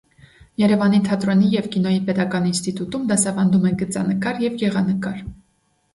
Երևանի թատրոնի և կինոյի պետական ինստիտուտում դասավանդում է գծանկար և գեղանկար։